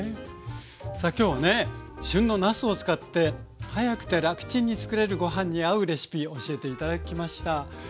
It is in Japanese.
さあ今日はね旬のなすを使って早くてらくちんにつくれるご飯に合うレシピ教えて頂きました。